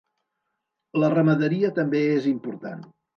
La ramaderia també és important.